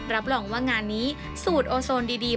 รับรองว่างานนี้สูตรโอโซนดี